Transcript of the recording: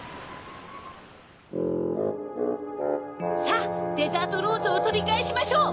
さぁデザートローズをとりかえしましょう！